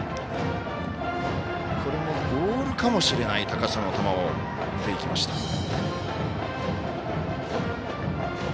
それもボールかもしれない高さの球を打っていきました。